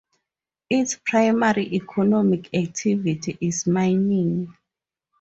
Its primary economic activity is mining.